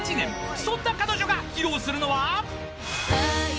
［そんな彼女が披露するのは］